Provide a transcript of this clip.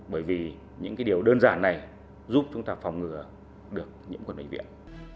bởi vì những điều đơn giản này giúp chúng ta phòng ngừa được nhiễm khuẩn bệnh viện